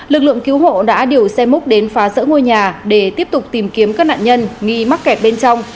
lực lượng cứu hộ đã điều xe múc đến phá rỡ ngôi nhà để tiếp tục tìm kiếm các nạn nhân nghi mắc kẹt bên trong